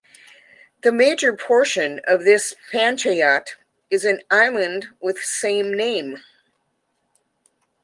The major portion of this panchayat is an island with same name.